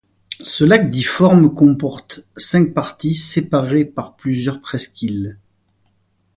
Ce lac difforme comporte cinq parties séparées par plusieurs presqu’îles.